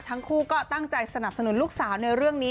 ทั้งคู่ก็ตั้งใจสนับสนุนลูกสาวในเรื่องนี้